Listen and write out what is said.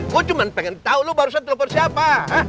gue cuma pengen tau lu barusan telepon siapa